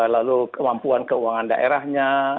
lalu kemampuan keuangan daerahnya